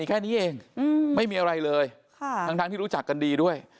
แค่นี้เองไม่มีอะไรเลยทั้งที่รู้จักกันดีด้วย